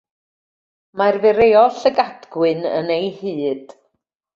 Mae'r fireo llygad-gwyn yn ei hyd.